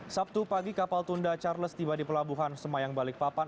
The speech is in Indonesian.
sabtu pagi kapal tunda charles tiba di pelabuhan semayang balikpapan